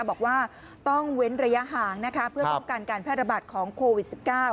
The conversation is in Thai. บอกว่าต้องเว้นระยะห่างนะคะเพื่อป้องกันการแพร่ระบาดของโควิด๑๙